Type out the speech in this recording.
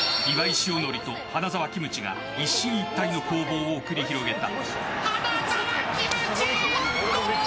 塩のりと花澤キムチが一進一退の攻防を繰り広げた。